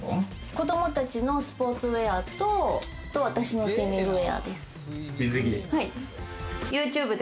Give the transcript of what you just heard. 子供たちのスポーツウェアと私のスイミングウエアです。